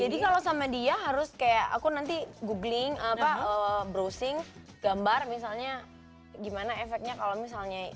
jadi kalau sama dia harus kayak aku nanti googling browsing gambar misalnya gimana efeknya kalau misalnya